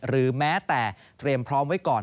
หรือแม้แต่เตรียมพร้อมไว้ก่อน